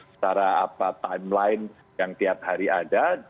secara timeline yang tiap hari ada